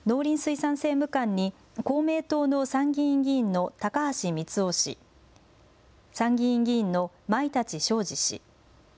農林水産政務官に公明党の参議院議員の高橋光男氏、参議院議員の舞立昇治氏。